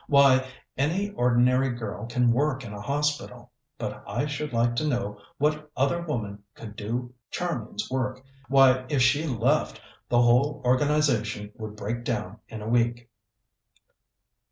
Why, any ordinary girl can work in a hospital. But I should like to know what other woman could do Charmian's work. Why, if she left, the whole organization would break down in a week."